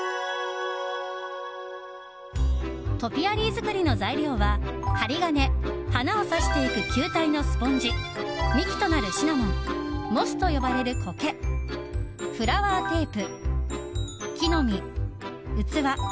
トピアリー作りの材料は針金花を挿していく球体のスポンジ幹となるシナモンモスと呼ばれるコケフラワーテープ、木の実、器。